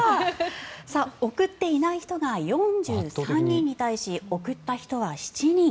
送っていない人が４３人に対し送った人が７人。